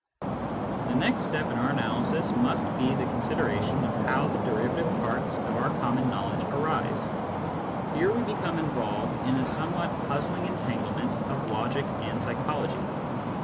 The next step in our analysis must be the consideration of how the derivative parts of our common knowledge arise. Here we become involved in a somewhat puzzling entanglement of logic and psychology.